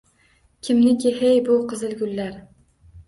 Kimniki, hey, bu qizil gullar?